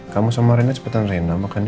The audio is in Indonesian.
kamu sama rina cepetan rina makan ya